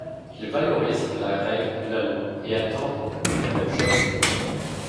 Ils valorisent la règle de la loi et attendent la même chose des autres.